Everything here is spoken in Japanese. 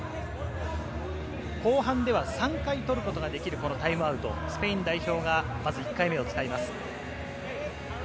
後半では３回取ることができるタイムアウト、スペイン代表がまず１回目を使います。